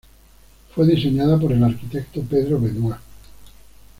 Fue diseñada por el arquitecto Pedro Benoit.